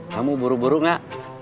kamu buru buru gak